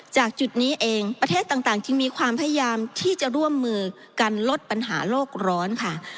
จากจุดนี้เองประเทศต่างจึงมีความพยายามที่จะร่วมมือกันลดปัญหาโลกร้อนค่ะ